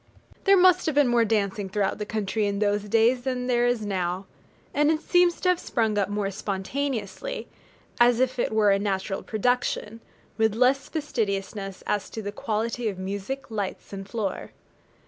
There must have been more dancing throughout the country in those days than there is now: and it seems to have sprung up more spontaneously, as if it were a natural production, with less fastidiousness as to the quality of music, lights, and floor.